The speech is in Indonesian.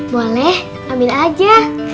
boleh ambil aja